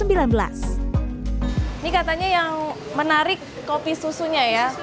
ini katanya yang menarik kopi susunya ya